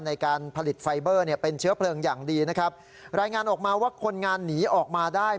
ในการผลิตไฟเบอร์เนี่ยเป็นเชื้อเพลิงอย่างดีนะครับรายงานออกมาว่าคนงานหนีออกมาได้